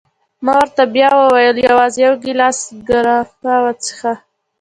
ما ورته بیا وویل: یوازي یو ګیلاس ګراپا وڅېښه.